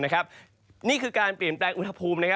นี่คือการเปลี่ยนแปลงอุณหภูมิ